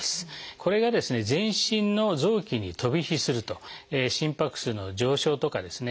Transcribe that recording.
これが全身の臓器に飛び火すると心拍数の上昇とかですね